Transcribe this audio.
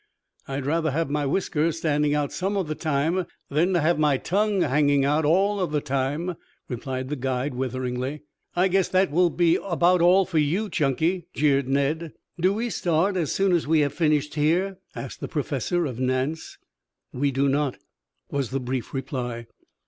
"I'd rather have my whiskers standing out some of the time than to have my tongue hanging out all of the time," replied the guide witheringly. "I guess that will be about all for you, Chunky," jeered Ned. "Do we start as soon as we have finished here?" asked the Professor of Nance. "We do not," was the brief reply.